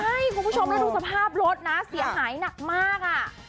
ใช่คุณผู้ชมแล้วดูสภาพรถนะเสียหายหนักมากอ่ะ